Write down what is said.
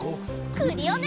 クリオネ！